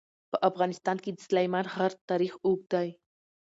په افغانستان کې د سلیمان غر تاریخ اوږد دی.